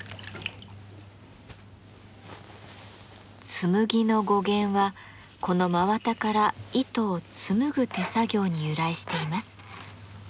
「紬」の語源はこの真綿から糸を紡ぐ手作業に由来しています。